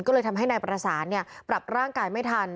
ก็เลยทำให้นายประสานปรับร่างกายไม่ทัน